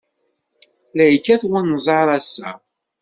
La yekkat unẓar, ass-a.